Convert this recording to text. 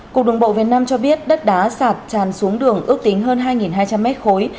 cục đường bộ việt nam cho biết đất đá sạt tràn xuống đường ước tính hơn hai hai trăm linh mét khối